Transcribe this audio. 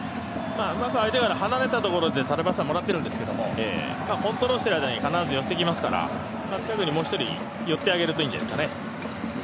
うまく相手から離れたところで縦パスはもらってるんですけどコントロールしているうちに必ず寄せてきますから、近くにもう１人、寄ってあげるといいんじゃないですかね。